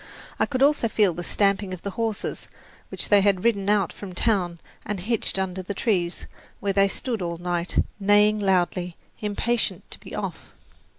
I could also feel the stamping of the horses, which they had ridden out from town and hitched under the trees, where they stood all night, neighing loudly, impatient to be off.